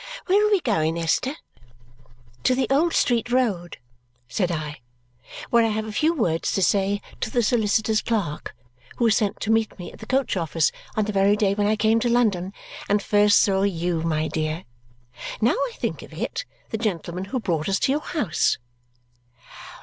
Where are we going, Esther?" "To the Old Street Road," said I, "where I have a few words to say to the solicitor's clerk who was sent to meet me at the coach office on the very day when I came to London and first saw you, my dear. Now I think of it, the gentleman who brought us to your house."